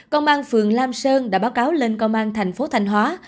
công an phường lam sơn đã báo cáo lên công an thành phố thanh hóa